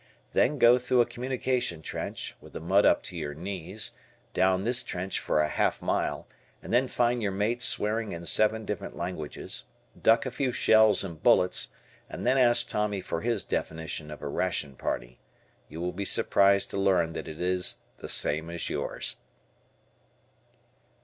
Then go through a communication trench, with the mud up to your knees, down this trench for a half mile, and then find your mates swearing in seven different languages; duck a few shells and bullets, and then ask Tommy for his definition of a "ration party." You will be surprised to learn that it is the same as yours.